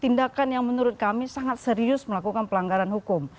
tindakan yang menurut kami sangat serius melakukan pelanggaran hukum